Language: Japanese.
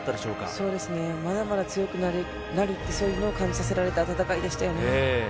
そうですね、まだまだ強くなるって、そういうふうなのを感じさせた戦いでしたよね。